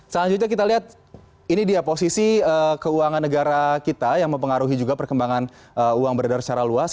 selanjutnya kita lihat ini dia posisi keuangan negara kita yang mempengaruhi juga perkembangan uang beredar secara luas